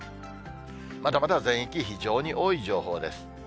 まだまだ全域非常に多い情報です。